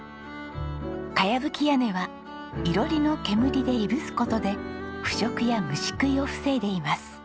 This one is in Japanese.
茅葺き屋根は囲炉裏の煙でいぶす事で腐食や虫食いを防いでいます。